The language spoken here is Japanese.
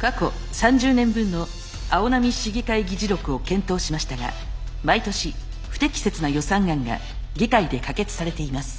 過去３０年分の青波市議会議事録を検討しましたが毎年不適切な予算案が議会で可決されています。